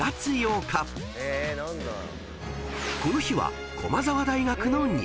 ［この日は］